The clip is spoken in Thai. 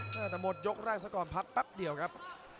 น่าจะหมดยกได้สักก่อนพับเดี๋ยวครับ